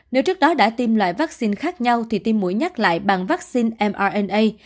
nếu trước đó đã tiêm loại vaccine khác nhau thì tiêm mũi nhắc lại bằng vaccine mrna